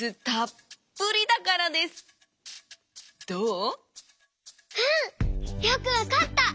うん！よくわかった！